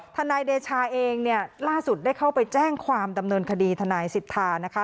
ทนายเดชาเองเนี่ยล่าสุดได้เข้าไปแจ้งความดำเนินคดีทนายสิทธานะคะ